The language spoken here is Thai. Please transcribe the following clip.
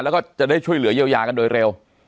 แล้วก็จะได้ช่วยเหลือเยียวยากันโดยเร็ว